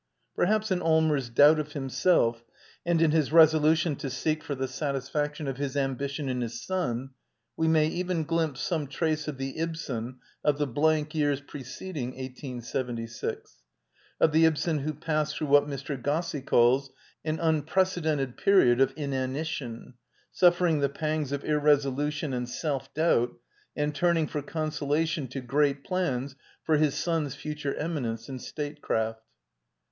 Perhaps in Allmers' doubt of himself and in his resolution to seek for the satisfaction of his ambition in his son, we may even glimpse some trace of the Ibsen of the blank years preceding 1876 — of the Ibsen who passed through what Mr. Gosse calls an " unprecedented period of inanition," suffering the pangs of irresolution and self doubt and turning for consolation to great plans for his son's future eminence in statecraft.